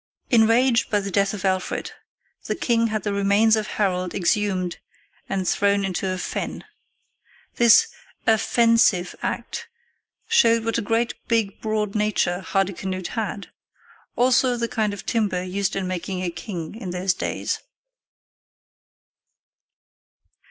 "] Enraged by the death of Alfred, the king had the remains of Harold exhumed and thrown into a fen. This a fensive act showed what a great big broad nature Hardicanute had, also the kind of timber used in making a king in those days.